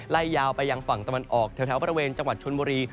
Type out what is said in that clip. ยาวไปยังฝั่งตะวันออกแถวบริเวณจังหวัดชนบุรี